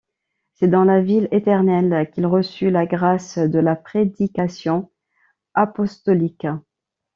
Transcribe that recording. C'est dans la Ville éternelle qu'il reçut la grâce de la prédication apostolique.